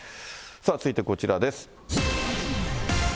さあ、続いてこちらです。